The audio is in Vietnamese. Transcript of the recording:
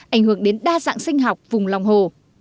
ảnh hưởng đến đa dạng sinh học vùng lòng hồ